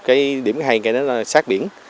cái điểm hay là nó sát biển